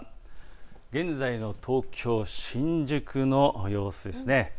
現在の東京新宿の様子です。